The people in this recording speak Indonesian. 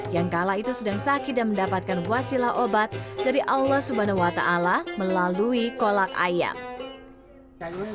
yang kala itu sedang sakit dan mendapatkan wasilah obat dari allah swt melalui kolak ayam